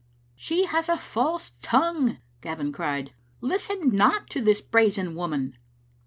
"She has a false tongue," Gavin cried; "listen not to the brazen woman."